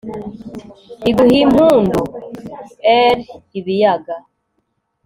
iguh'impundu, +r, ibiyaga